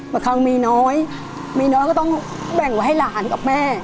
บางครั้งมีน้อยมีน้อยก็ต้องแบ่งไว้ให้หลานกับแม่